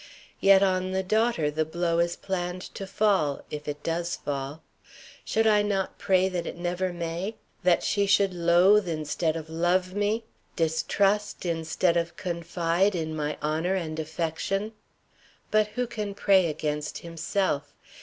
Yet on the daughter the blow is planned to fall if it does fall. Should I not pray that it never may? That she should loathe instead of love me? Distrust, instead of confide in my honor and affection? But who can pray against himself?